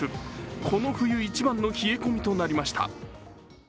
この冬一番の冷え込みとなりました。